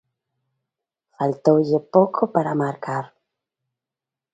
Faltoulle pouco para marcar.